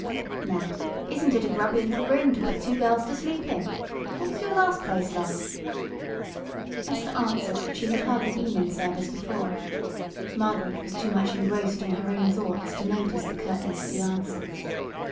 "Now, isn't it a grubby little room to put two girls to sleep in? What was your last place like?" Esther answered that she had hardly been in service before. Margaret was too much engrossed in her own thoughts to notice the curtness of the answer.